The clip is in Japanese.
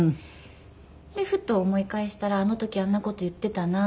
でふと思い返したらあの時あんな事言っていたな。